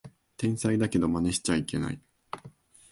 天才だけどマネしちゃいけない